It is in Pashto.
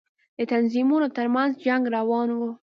د تنظيمونو تر منځ جنگ روان و.